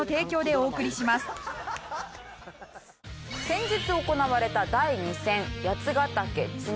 先日行われた第２戦八ヶ岳茅野。